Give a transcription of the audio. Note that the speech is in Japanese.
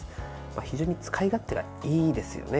非常に使い勝手がいいですよね。